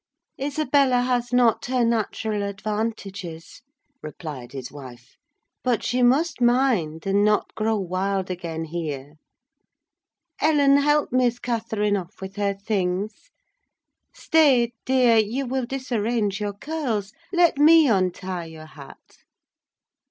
"Isabella has not her natural advantages," replied his wife: "but she must mind and not grow wild again here. Ellen, help Miss Catherine off with her things—Stay, dear, you will disarrange your curls—let me untie your hat."